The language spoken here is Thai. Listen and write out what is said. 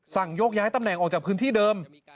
ยกย้ายตำแหน่งออกจากพื้นที่เดิม